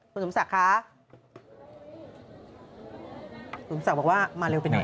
คุณสมศักดิ์ศรีชุมบอกว่ามาเร็วไปไหน